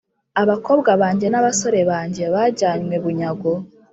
abakobwa banjye n’abasore banjye bajyanywe bunyago.